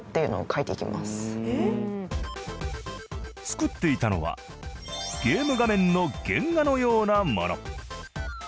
作っていたのはゲーム画面の原画のようなもの。